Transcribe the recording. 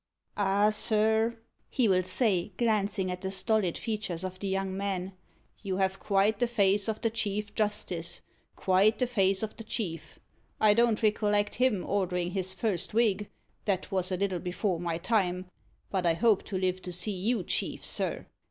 "Ah, sir," he will say, glancing at the stolid features of the young man, "you have quite the face of the Chief Justice quite the face of the chief I don't recollect him ordering his first wig that was a little before my time; but I hope to live to see you chief, sir.